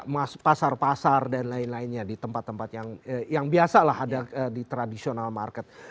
masuk pasar pasar dan lain lainnya di tempat tempat yang biasa lah ada di traditional market